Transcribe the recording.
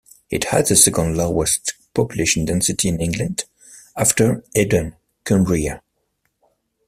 It had the second-lowest population density in England, after Eden, Cumbria.